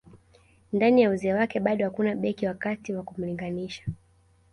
Ndani ya uzee wake bado hakuna beki wa kati wa kumlinganisha